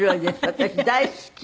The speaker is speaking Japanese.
私大好き。